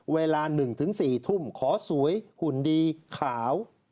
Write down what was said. เวลา๑๔ทุ่มขอสวยหุ่นดีขาว